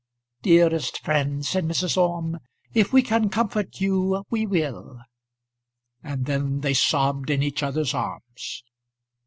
"Dearest friend," said Mrs. Orme, "if we can comfort you we will." And then they sobbed in each other's arms.